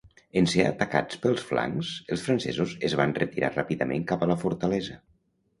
En ser atacats pels flancs, els francesos es van retirar ràpidament cap a la fortalesa.